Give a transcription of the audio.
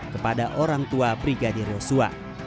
kepada orang tua brigadir yosua